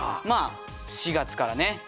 まあ４がつからね